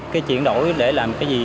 cái chuyển đổi để làm cái gì